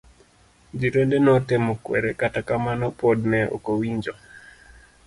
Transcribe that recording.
Jirende notemo kwere kata kamano pod ne okowinjo.